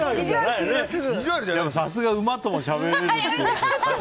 でもさすが馬ともしゃべれるって。